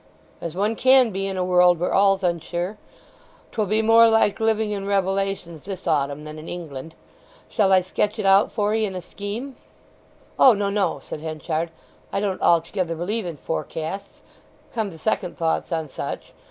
"As one can be in a world where all's unsure. 'Twill be more like living in Revelations this autumn than in England. Shall I sketch it out for 'ee in a scheme?" "O no, no," said Henchard. "I don't altogether believe in forecasts, come to second thoughts on such.